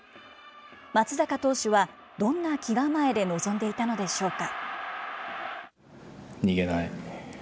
松坂投手はどんな気構えで臨んでいたのでしょうか。